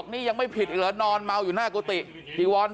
นี่เห็นเจ้าหน้าที่ตำรวจถือมือถืออยู่ไหม